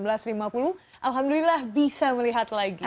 alhamdulillah bisa melihat lagi